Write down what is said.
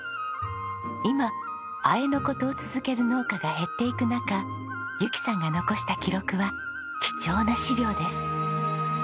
今あえのことを続ける農家が減っていく中由紀さんが残した記録は貴重な資料です。